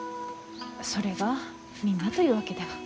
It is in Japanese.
それがみんなというわけでは。